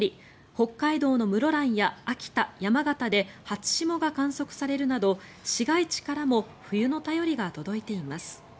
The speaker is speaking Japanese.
北海道の室蘭や秋田、山形で初霜が観測されるなど市街地からも冬の便りが届いています。